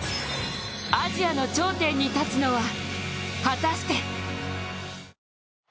アジアの頂点に立つのは果たして。